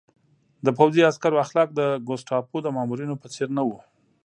د پوځي عسکرو اخلاق د ګوستاپو د مامورینو په څېر نه وو